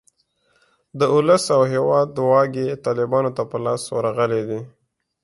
د اولس او هیواد واګې طالیبانو ته په لاس ورغلې دي.